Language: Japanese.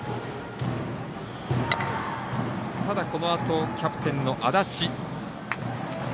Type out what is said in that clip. ただ、このあとキャプテンの安達。